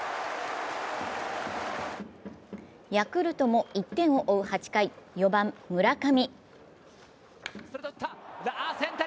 ヤクルトも１点を追う８回、４番・村上